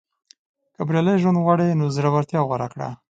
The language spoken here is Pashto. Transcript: • که بریالی ژوند غواړې، نو زړورتیا غوره کړه.